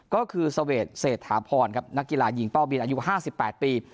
ก็คือเสวดเศรษฐาพรครับนักกีฬายิงเป้าบินอายุ๕๘ปี